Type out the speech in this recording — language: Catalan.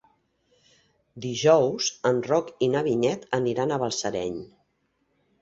Dijous en Roc i na Vinyet aniran a Balsareny.